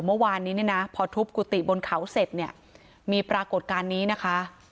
เมื่อวานนี้เนี่ยนะพอทุบกุฏิบนเขาเสร็จเนี่ยมีปรากฏการณ์นี้นะคะ